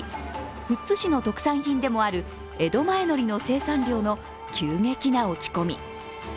富津市の特産品でもある江戸前のりの生産量の急激な落ち込み。